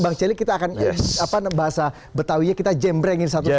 bang celi kita akan bahasa betawinya kita jembrengin satu satu